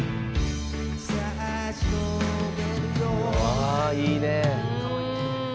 「ああいいね」